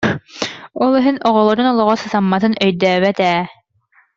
Ол иһин оҕолорун олоҕо сатамматын өйдөөбөт ээ